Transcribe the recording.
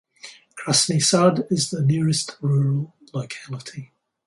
Krasny Sad is the nearest rural locality.